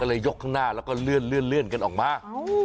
ค่ะก็เลยยกข้างหน้าแล้วก็เลื่อนเลื่อนเลื่อนกันออกมาอ้าว